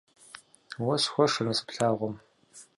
Уэ сыхуэшэ насып лъагъуэм.